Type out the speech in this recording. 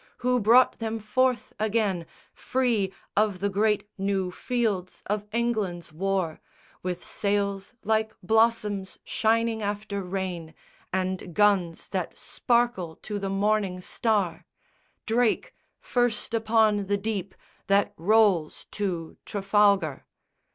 Who brought them forth again, Free of the great new fields of England's war, With sails like blossoms shining after rain, And guns that sparkle to the morning star? Drake! first upon the deep that rolls to Trafalgar!